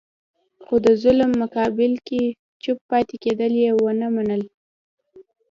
خو د ظلم مقابل کې چوپ پاتې کېدل یې ونه منل.